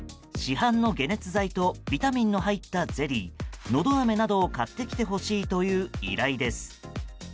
市販の解熱剤とビタミンの入ったゼリーのどあめなどを買ってきてほしいという依頼です。